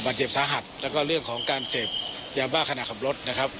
เจ็บสาหัสแล้วก็เรื่องของการเสพยาบ้าขณะขับรถนะครับ